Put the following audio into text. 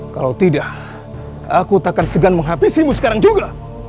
kalau tidak aku tak akan segan menghabisimu sekarang juga